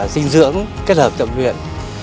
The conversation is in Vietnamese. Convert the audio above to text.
dinh dưỡng kết hợp tập luyện